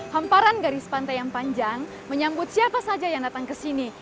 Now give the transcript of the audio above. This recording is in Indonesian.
hamparan garis pantai yang panjang menyambut siapa saja yang datang ke sini